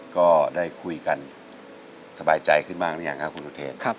ก็ได้คุยกันสบายใจขึ้นบ้างหรือยังครับคุณอุเทน